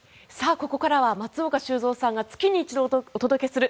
ここからは松岡修造さんが月に一度お届けする